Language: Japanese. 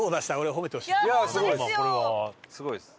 いやすごいです。